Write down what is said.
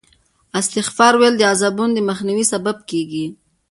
استغفار ویل د عذابونو د مخنیوي سبب کېږي.